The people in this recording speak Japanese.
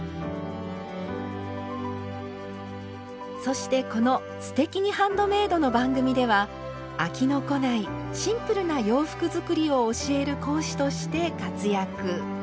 そしてこの「すてきにハンドメイド」の番組では飽きのこないシンプルな洋服作りを教える講師として活躍。